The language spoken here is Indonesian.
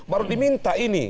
baru diminta ini